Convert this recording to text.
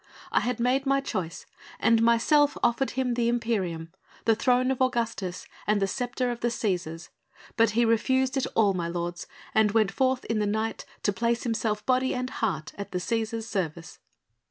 I had made my choice and myself offered him the imperium, the throne of Augustus and the sceptre of the Cæsars.... But he refused it all, my lords, and went forth in the night to place himself body and heart at the Cæsar's service."